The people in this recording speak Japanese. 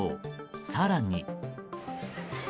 更に。